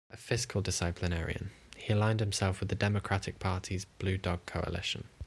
A fiscal disciplinarian, he aligned himself with the Democratic Party's Blue Dog coalition.